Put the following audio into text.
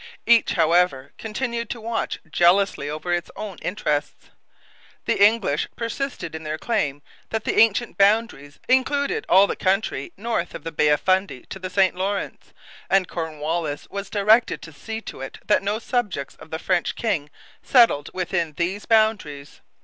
Each, however, continued to watch jealously over its own interests. The English persisted in their claim that the ancient boundaries included all the country north of the Bay of Fundy to the St Lawrence, and Cornwallis was directed to see to it that no subjects of the French king settled within these boundaries.